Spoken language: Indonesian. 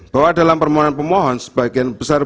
bahwa dalam permohonan pemohon sebagian besar